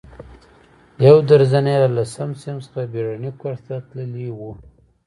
یو درجن یې له لسم صنف څخه بېړني کورس ته تللي وو.